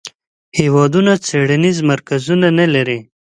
هیوادونه څیړنیز مرکزونه نه لري.